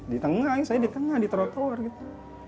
di tengah saya di tengah di trotoar gitu